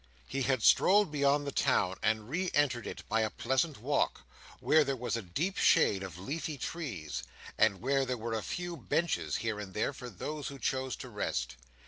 He had strolled beyond the town, and re entered it by a pleasant walk, where there was a deep shade of leafy trees, and where there were a few benches here and there for those who chose to rest.